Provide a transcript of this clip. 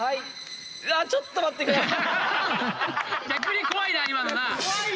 逆に怖いな今のな。